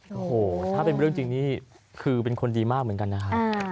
โอ้โหถ้าเป็นเรื่องจริงนี่คือเป็นคนดีมากเหมือนกันนะครับ